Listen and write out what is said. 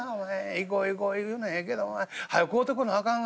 『行こ行こ』言うのはええけどはよ買うてこなあかんがな」。